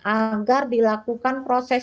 agar dilakukan proses